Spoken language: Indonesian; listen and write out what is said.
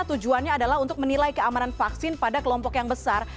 tujuannya adalah untuk menilai keamanan vaksin pada kelompok yang besar